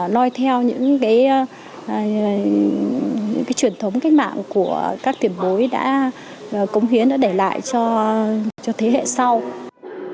loay theo những cái truyền thống cách mạng của các tiền bối đã cống hiến để lại cho thế hệ sau